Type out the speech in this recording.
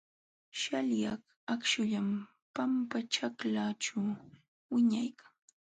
Śhalyaq akśhullam pampaćhaklaaćhu wiñaykan.